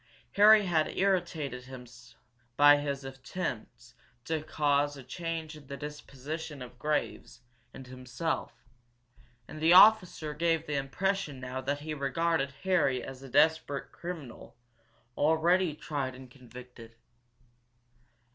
Harry had irritated him by his attempts to cause a change in the disposition of Graves and himself, and the officer gave the impression now that he regarded Harry as a desperate criminal, already tried and convicted.